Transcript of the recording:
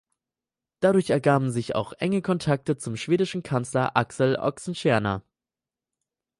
Dadurch ergaben sich auch enge Kontakte zum schwedischen Kanzler Axel Oxenstierna.